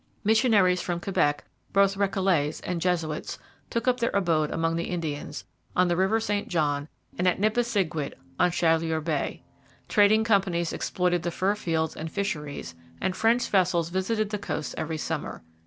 Missionaries from Quebec, both Recollets and Jesuits, took up their abode among the Indians, on the river St John and at Nipisiguit on Chaleur Bay. Trading companies exploited the fur fields and the fisheries, and French vessels visited the coasts every summer.